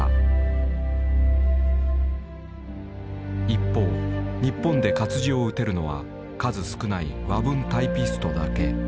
一方日本で活字を打てるのは数少ない和文タイピストだけ。